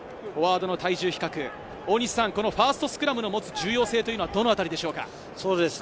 フォワードの体重比較、ファーストスクラムの持つ重要性というのはどのあたりでしょうか？